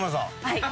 はい。